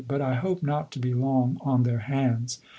But I hope not to be long on their hands.